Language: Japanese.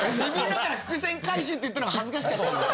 伏線回収って言ったの恥ずかしかったんです。